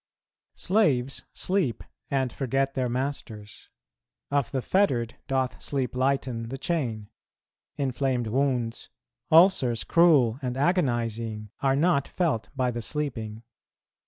Slaves sleep and forget their masters; of the fettered doth sleep lighten the chain; inflamed wounds, ulcers cruel and agonizing, are not felt by the sleeping.